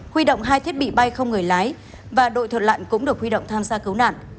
huy động hai thiết bị bay không người lái và đội thuật lặn cũng được huy động tham gia cứu nạn